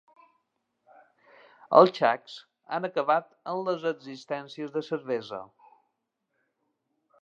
Els txecs han acabat amb les existències de cervesa.